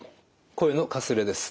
声のかすれです。